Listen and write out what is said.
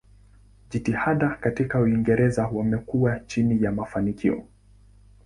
Jitihada katika Uingereza wamekuwa chini ya mafanikio.